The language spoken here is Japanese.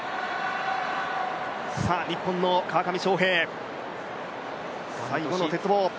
さあ日本の川上翔平、最後の鉄棒。